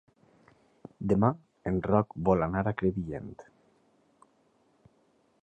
Demà en Roc vol anar a Crevillent.